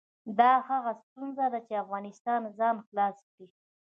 دا هغه ستونزه ده چې افغانستان ځان خلاص کړي.